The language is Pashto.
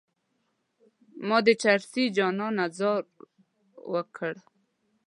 ما د چرسي جانان نه ځار وکړ.